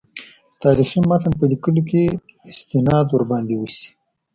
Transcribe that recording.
تاریخي متن په لیکلو کې استناد ورباندې وشي.